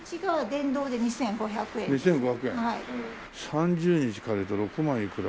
３０日借りると６万いくら。